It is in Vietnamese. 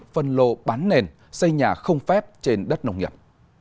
phân lô bán nền xây nhà không phép trên đất nông nghiệp